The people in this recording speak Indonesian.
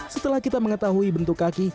setelah kita mengetahui bentuk kaki